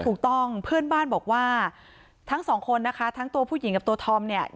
ถูกต้องเพื่อนบ้านบอกว่าทั้งสองคนนะคะทั้งตัวผู้หญิงกับตัวธอมเนี่ย